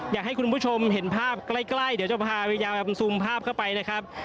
อยากให้คุณผู้ชมเห็นภาพใกล้เดี๋ยวจะพาพยายามซูมภาพเข้าไปนะครับ